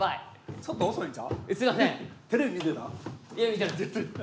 ちょっと遅いんちゃう。